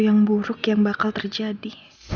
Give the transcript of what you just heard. yang buruk yang bakal terjadi